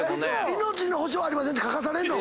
「命の保証はありません」って書かされんの？